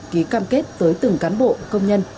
ký cam kết tới từng cán bộ công nhân